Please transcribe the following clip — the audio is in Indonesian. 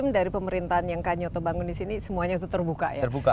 dari pemerintahan yang kang nyoto bangun di sini semuanya itu terbuka ya